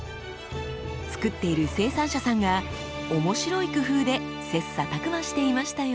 作っている生産者さんが面白い工夫で切磋琢磨していましたよ。